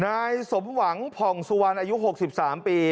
นายสมหวังผ่องสุวรรณอายุ๖๓ปี